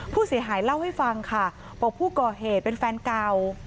ผู้เสียหายเล่าให้ฟังค่ะบอกผู้ก่อเหตุเป็นแฟนเก่า